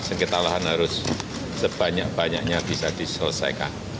sengketa lahan harus sebanyak banyaknya bisa diselesaikan